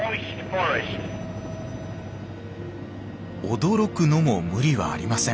驚くのも無理はありません。